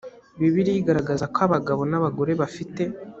bibiliya igaragaza ko abagabo n’abagore bafite